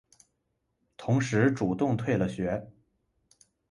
同时主动退了学。